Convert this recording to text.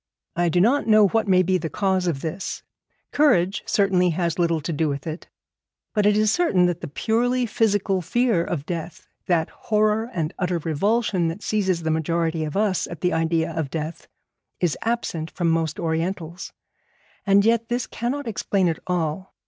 I do not know what may be the cause of this, courage certainly has little to do with it; but it is certain that the purely physical fear of death, that horror and utter revulsion that seizes the majority of us at the idea of death, is absent from most Orientals. And yet this cannot explain it all.